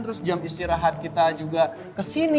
terus jam istirahat kita juga ke sini